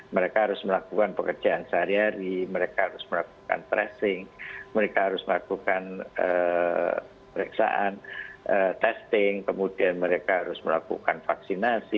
mereka harus melakukan pekerjaan sehari hari mereka harus melakukan tracing mereka harus melakukan periksaan testing kemudian mereka harus melakukan vaksinasi